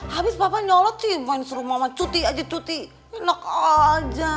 habis bapak nyolot sih main suruh mama cuti aja cuti enak aja